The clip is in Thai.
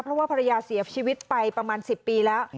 เพราะว่าภรรยาเสียชีวิตไปประมาณ๑๐ปีแล้ว